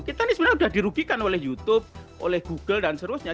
kita ini sebenarnya sudah dirugikan oleh youtube oleh google dan seterusnya